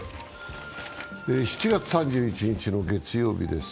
７月３１日の月曜日です。